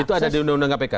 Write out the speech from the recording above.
itu ada di undang undang kpk